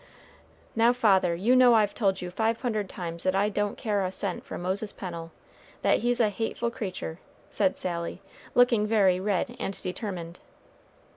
"Now, father, you know I've told you five hundred times that I don't care a cent for Moses Pennel, that he's a hateful creature," said Sally, looking very red and determined.